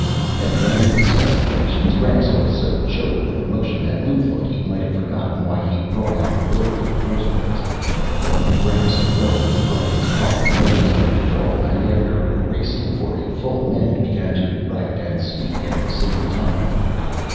At the end of these specifications, Gramps was so choked with emotion that Lou thought he might have forgotten why he'd brought out the will in the first place. But Gramps heroically brought his powerful emotions under control and, after erasing for a full minute, began to write and speak at the same time.